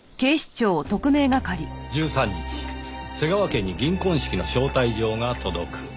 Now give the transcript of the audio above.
１３日瀬川家に銀婚式の招待状が届く。